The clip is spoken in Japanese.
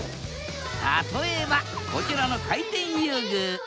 例えばこちらの回転遊具。